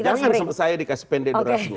jangan sampai saya dikasih pendek durasinya